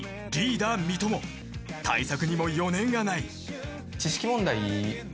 ［対策にも余念がない］